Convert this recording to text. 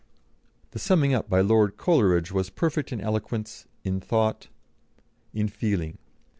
The summing up by Lord Coleridge was perfect in eloquence, in thought, in feeling.